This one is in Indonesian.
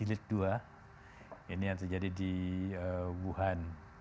ini yang terjadi di wuhan